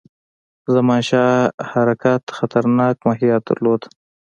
زمانشاه حرکت خطرناک ماهیت درلود.